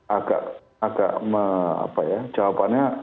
agak agak apa ya jawabannya